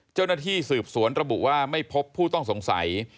เจ้าหน้าที่สืบสวนระบุว่าไม่พบผู้ต้องสงสัย